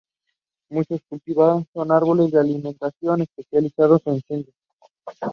The seamen had committed violence in preventing ships putting to sea.